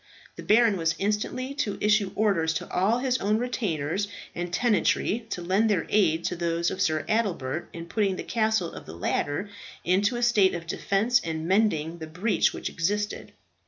The baron was instantly to issue orders to all his own retainers and tenantry to lend their aid to those of Sir Adelbert in putting the castle of the latter into a state of defence and mending the breach which existed.